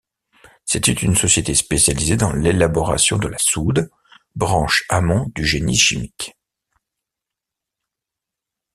C'était une société spécialisée dans l'élaboration de la soude, branche amont du génie chimique.